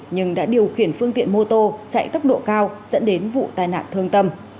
nhưng đã điều khiển phương tiện mô tô chạy tốc độ cao dẫn đến vụ tai nạn thương tâm